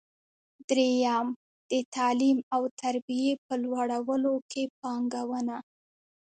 درېیم: د تعلیم او تربیې په لوړولو کې پانګونه.